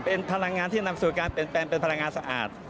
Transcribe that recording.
เป็นพลังงานที่นำสู่การเปลี่ยนแปลงเป็นพลังงานสะอาด